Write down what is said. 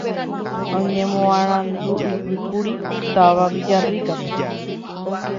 Oñemoarandu'ypýkuri táva Villarrica-pe